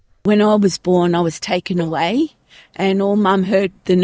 saat saya dilahirkan saya diambil dan semua ibu mendengar jururawat berkata